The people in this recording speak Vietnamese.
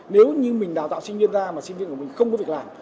nếu như mình đào tạo sinh viên ra mà sinh viên của mình không có việc làm